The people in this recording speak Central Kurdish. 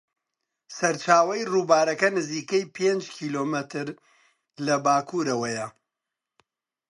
سەرچاوەی ڕووبارەکە نزیکەی پێنج کیلۆمەتر لە باکوورەوەیە.